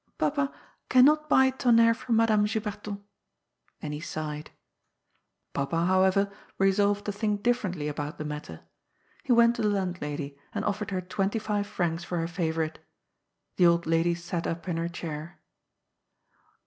^* Papa can not buy Tonnerre from Madame Juberton." And he sighed. Papa, howeyer, resolved to think differentlya bout the matter. He went to the landlady, and offered her twenty five francs for her favourite. The old lady sat up in her chair.